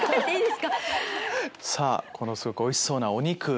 さぁこのすごくおいしそうなお肉。